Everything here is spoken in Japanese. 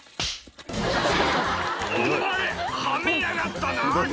「お前ハメやがったな！」